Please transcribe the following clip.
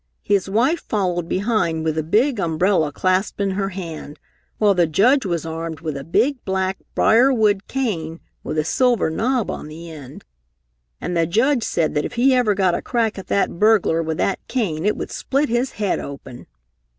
His wife followed behind with a big umbrella clasped in her hand, while the Judge was armed with a big, black briarwood cane with a silver knob on the end. And the Judge said that if he ever got a crack at that burglar with that cane it would split his head open.